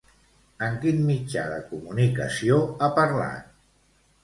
En quin mitjà de comunicació ha parlat?